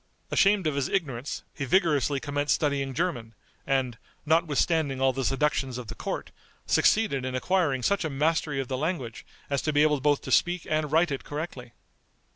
Ashamed of his ignorance, he vigorously commenced studying German, and, notwithstanding all the seductions of the court, succeeded in acquiring such a mastery of the language as to be able both to speak and write it correctly.